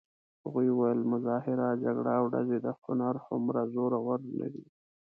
هغې ویل: مظاهره، جګړه او ډزې د هنر هومره زورور نه دي.